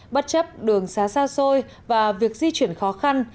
bất chấp đường xá xa xôi và việc di chuyển khó khăn